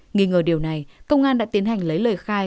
nghi ngờ điều này công an đã tiến hành lấy lời khai